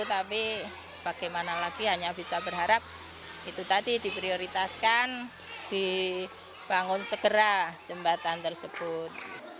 tapi bagaimana lagi hanya bisa berharap itu tadi diprioritaskan dibangun segera jembatan tersebut